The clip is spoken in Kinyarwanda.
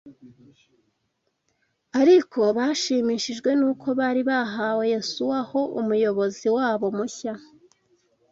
Ariko bashimishijwe n’uko bari bahawe Yosuwa ho umuyobozi wabo mushya